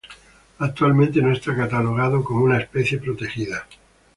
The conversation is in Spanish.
Actualmente no está catalogado como una especie protegida.